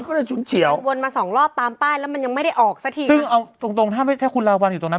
ก็เลยฉุนเฉียววนมาสองรอบตามป้ายแล้วมันยังไม่ได้ออกสักทีซึ่งเอาตรงตรงถ้าไม่ถ้าคุณลาวัลอยู่ตรงนั้น